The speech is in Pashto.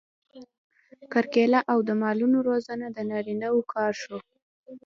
کرکیله او د مالونو روزنه د نارینه وو کار شو.